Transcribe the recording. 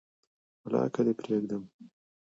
ولاکه دي پریږدم